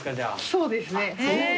そうですねはい。